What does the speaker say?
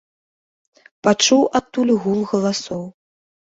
Пачуў адтуль гул галасоў.